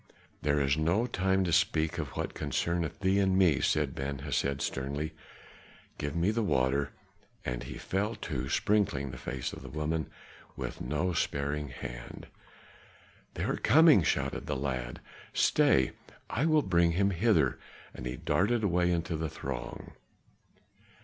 "This is no time to speak of what concerneth thee and me," said Ben Hesed sternly. "Give me the water!" And he fell to sprinkling the face of the woman with no sparing hand. "They are coming!" shouted the lad. "Stay! I will bring him hither," and he darted away into the throng.